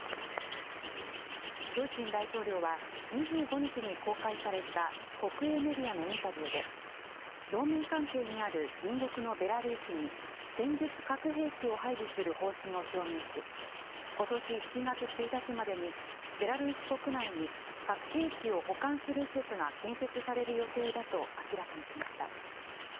プーチン大統領は、２５日に公開された国営メディアのインタビューで、同盟関係にある隣国のベラルーシに、戦術核兵器を配備する方針を表明し、ことし７月１日までに、ベラルーシ国内に核兵器を保管する施設が建設される予定だと明らかにしました。